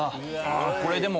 これでも。